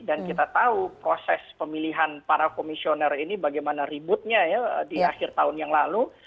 dan kita tahu proses pemilihan para komisioner ini bagaimana ributnya ya di akhir tahun yang lalu